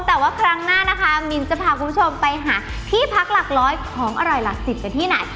แต่ว่าครั้งหน้านะคะมินจะพาคุณผู้ชมไปหาที่พักหลักร้อยของอร่อยหลักสิบกันที่ไหน